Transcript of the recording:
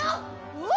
うわ！